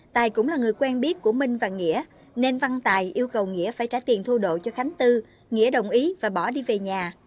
tài cũng là người quen biết của minh và nghĩa nên văn tài yêu cầu nghĩa phải trả tiền thu độ cho khánh tư nghĩa đồng ý và bỏ đi về nhà